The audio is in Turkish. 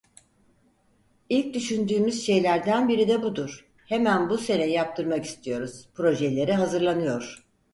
İlk düşündüğümüz şeylerden biri de budur, hemen bu sene yaptırmak istiyoruz, projeleri hazırlanıyor.